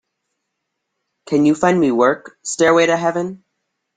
Can you find me work, Stairway to Heaven?